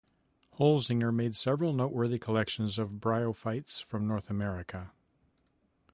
Holzinger made several noteworthy collections of bryophytes from North America.